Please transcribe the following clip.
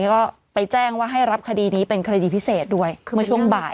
ก็ไปแจ้งว่าให้รับคดีนี้เป็นคดีพิเศษด้วยเมื่อช่วงบ่าย